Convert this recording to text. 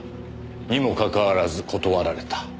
にもかかわらず断られた。